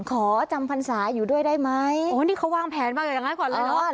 ขอจำพรรษาอยู่ด้วยได้ไหมโอ้นี่เขาวางแผนวางอยู่อย่างนั้นก่อนเลยเนอะ